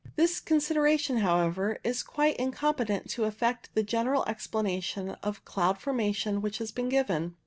This consideration, however, is quite incom petent to affect the general explanation of cloud formation which has been given.